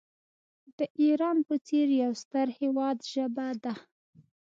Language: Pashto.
د ایران په څېر یو ستر هیواد ژبه ده.